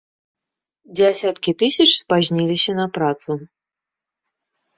Дзясяткі тысяч спазніліся на працу.